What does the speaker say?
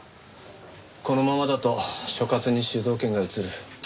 このままだと所轄に主導権が移る。